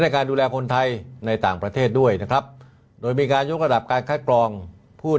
การดูแลคนไทยในต่างประเทศด้วยนะครับโดยมีการยกระดับการคัดกรองผู้